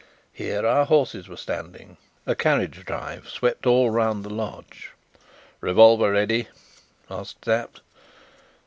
Here our horses were standing. A carriage drive swept all round the lodge. "Revolver ready?" asked Sapt.